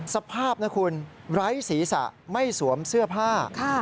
สภาพนะคุณไร้ศีรษะไม่สวมเสื้อผ้า